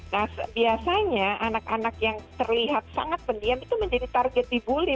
nah biasanya anak anak yang terlihat sangat pendiam itu menjadi target dibully